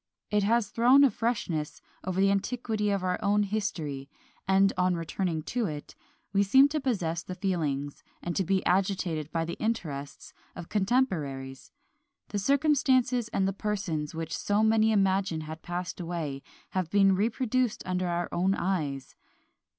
It has thrown a freshness over the antiquity of our own history; and, on returning to it, we seem to possess the feelings, and to be agitated by the interests, of contemporaries. The circumstances and the persons which so many imagine had passed away, have been reproduced under our own eyes.